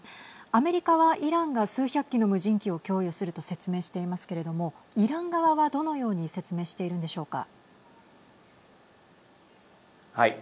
アメリカはイランが数百機の無人機を供与すると説明していますけれどもイラン側はどのように説明しているんでしょうか。